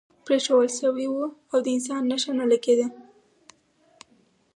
پرېښوول شوی و او د انسان نښه نه لګېده.